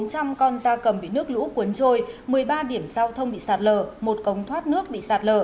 bốn trăm linh con da cầm bị nước lũ cuốn trôi một mươi ba điểm giao thông bị sập